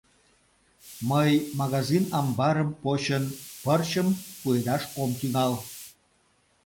— Мый, магазин амбарым почын, пырчым пуэдаш ом тӱҥал.